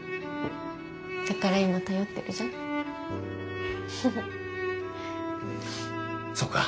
だから今頼ってるじゃん。そうか。